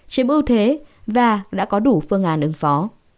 chiếm ưu thế và đã có đủ phương án ứng phó